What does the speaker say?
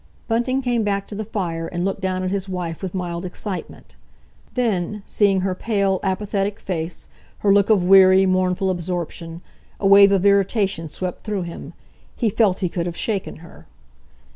Bunting came back to the fire and looked down at his wife with mild excitement. Then, seeing her pale, apathetic face, her look of weary, mournful absorption, a wave of irritation swept through him. He felt he could have shaken her!